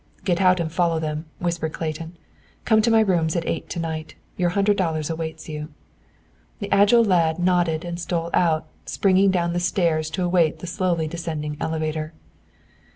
"Get out and follow them," whispered Clayton. "Come to my rooms at eight to night. Your hundred dollars await you." The agile lad nodded and stole out, springing down the stairs to await the slowly descending elevator.